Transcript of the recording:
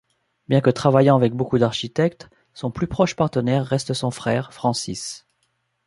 Bien que travaillant avec beaucoup d'architectes, son plus proche partenaire reste son frère, Francis.